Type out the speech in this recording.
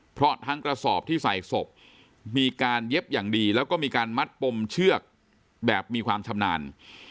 เพราะทั้งกระสอบที่ใส่ศพมีการเย็บอย่างดีแล้วก็มีการมัดปมเชือกแบบมีความชำนาญ